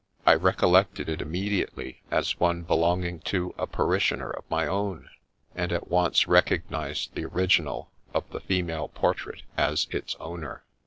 I recollected it immediately as one belonging to a parishioner of my own, and at once recognized the original of the female portrait as its owner.